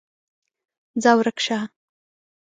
ځه ورک شه!